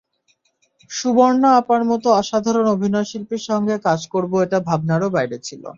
সুবর্ণা আপার মতো অসাধারণ অভিনয়শিল্পীর সঙ্গে কাজ করব এটা ভাবনারও বাইরে ছিল।